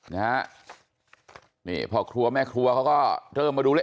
นะฮะนี่พ่อครัวแม่ครัวเขาก็เริ่มมาดูเลข